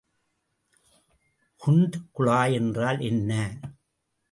குண்ட் குழாய் என்றால் என்ன?